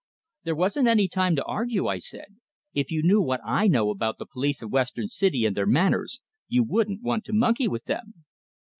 "There wasn't any time to argue," I said. "If you knew what I know about the police of Western City and their manners, you wouldn't want to monkey with them."